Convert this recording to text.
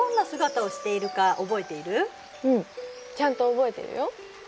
うんちゃんと覚えてるよ。